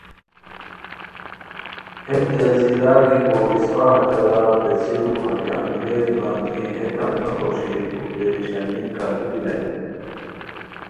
ہیت جزیرا گیکو اِسپہ ہتیرا پیڅھیرو ہتے انگریز بندی ہیتان نو خوشئے پُھوک پریشانی کاردو بیرانی